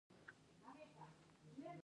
آیا ایران ښه هوټلونه نلري؟